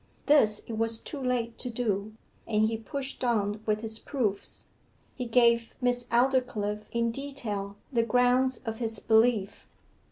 This it was too late to do, and he pushed on with his proofs. He gave Miss Aldclyffe in detail the grounds of his belief.